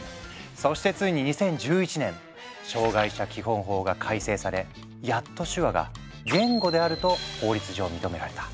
そしてついに２０１１年「障害者基本法」が改正されやっと手話が言語であると法律上認められた。